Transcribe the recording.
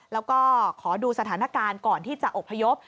แล้วก็ขอดูสถานการณ์ก่อนที่จะอบพยพ